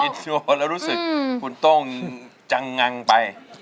อินโทแล้วรู้สึกคุณโต้จังงั้งไป